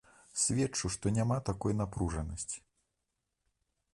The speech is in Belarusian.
Сведчу, што няма такой напружанасці.